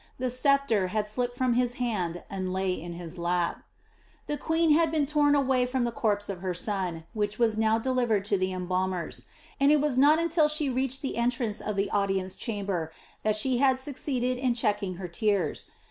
The sceptre had slipped from his hand and lay in his lap. The queen had been torn away from the corpse of her son, which was now delivered to the embalmers, and it was not until she reached the entrance of the audience chamber that she had succeeded in checking her tears.